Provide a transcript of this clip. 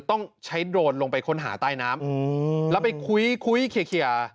ต้องใช้โดรนลงไปค้นหาใต้น้ำแล้วไปคุยคุยเคลียร์